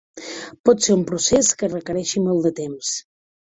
Pot ser un procés que requereixi molt de temps.